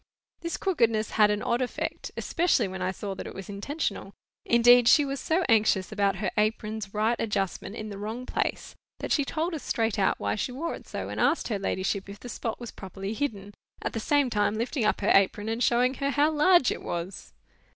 This crookedness had an odd effect, especially when I saw that it was intentional; indeed, she was so anxious about her apron's right adjustment in the wrong place, that she told us straight out why she wore it so, and asked her ladyship if the spot was properly hidden, at the same time lifting up her apron and showing her how large it was.